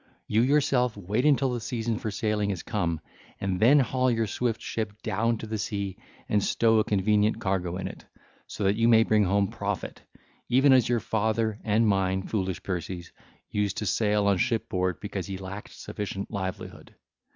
You yourself wait until the season for sailing is come, and then haul your swift ship down to the sea and stow a convenient cargo in it, so that you may bring home profit, even as your father and mine, foolish Perses, used to sail on shipboard because he lacked sufficient livelihood.